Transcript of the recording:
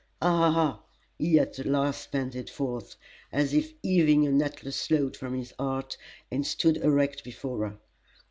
"A a ah!" he at last panted forth, as if heaving an atlas load from his heart, and stood erect before her.